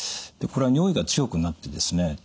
これは尿意が強くなってですね